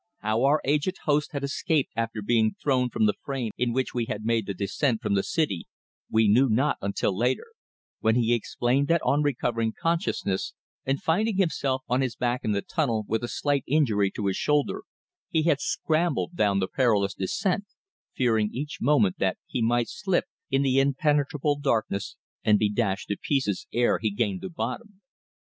How our aged host had escaped after being thrown from the frame in which we had made the descent from the city we knew not until later, when he explained that on recovering consciousness and finding himself on his back in the tunnel with a slight injury to his shoulder, he had scrambled down the perilous descent, fearing each moment that he might slip in the impenetrable darkness and be dashed to pieces ere he gained the bottom.